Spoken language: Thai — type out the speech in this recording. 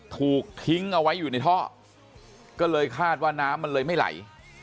ถูกทิ้งเอาไว้อยู่ในท่อก็เลยคาดว่าน้ำมันเลยไม่ไหล